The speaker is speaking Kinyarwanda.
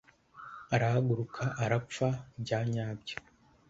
arahaguruka arapfa.byanyabyo